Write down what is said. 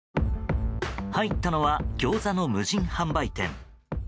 入ったのはギョーザの無人販売店。